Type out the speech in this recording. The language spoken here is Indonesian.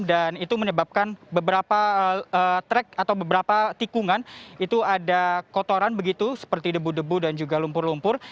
dan itu menyebabkan beberapa trek atau beberapa tikungan itu ada kotoran begitu seperti debu debu dan juga lumpur lumpur